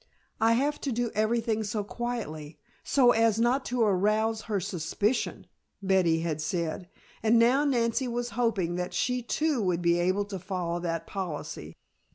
"I have to do everything so quietly, so as not to arouse her suspicion," Betty had said. And now Nancy was hoping that she too would be able to follow that policy.